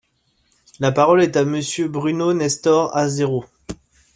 La parole est à Monsieur Bruno Nestor Azerot.